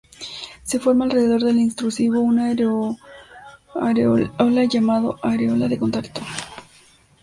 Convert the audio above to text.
Se forma alrededor del intrusivo una aureola llamada "aureola de contacto".